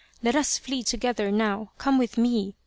Let us flee together now. Come with me.